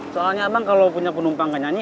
soalnya abang kalau punya penumpang nggak nyanyi